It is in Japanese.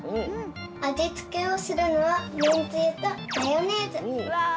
あじつけをするのはめんつゆとマヨネーズ。